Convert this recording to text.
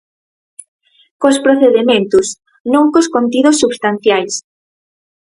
Cos procedementos, non cos contidos substanciais.